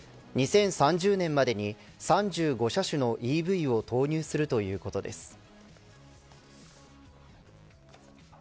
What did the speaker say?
２０３０年までに３５車種のＥＶを投入するということです。